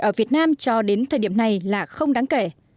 ở việt nam cho đến thời điểm này là không đáng kể